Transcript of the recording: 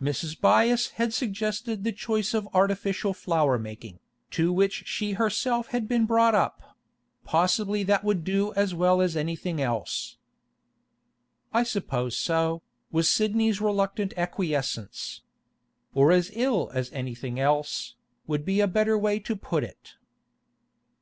Mrs. Byass had suggested the choice of artificial flower making, to which she herself had been brought up; possibly that would do as well as anything else. 'I suppose so,' was Sidney's reluctant acquiescence. 'Or as ill as anything else, would be a better way to put it.